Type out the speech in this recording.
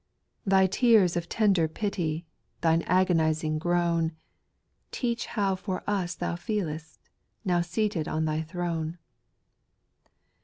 Thy tears of tender pity, Thine agonizing groan. Teach how for us Thou feelest, Now seated on Thy throne.